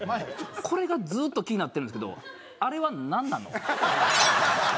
これがずーっと気になってるんですけどあれはなんなの？